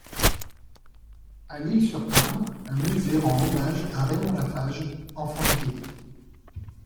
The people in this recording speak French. A Lisle-sur-Tarn, un musée rend hommage à Raymond Lafage, enfant du pays.